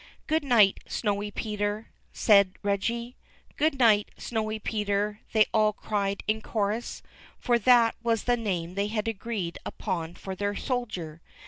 " Good night. Snowy Peter !" said Reggie. "Good night. Snowy Peter!" they all cried in chorus — for that was the name they had agreed upon for their soldier.